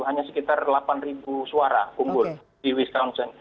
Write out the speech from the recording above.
hanya sekitar delapan ribu suara unggul di wisconsin